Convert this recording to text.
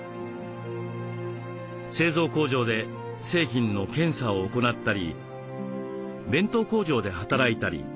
製造工場で製品の検査を行ったり弁当工場で働いたり。